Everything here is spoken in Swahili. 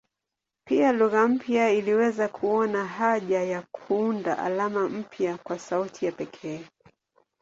Pia lugha mpya iliweza kuona haja ya kuunda alama mpya kwa sauti ya pekee.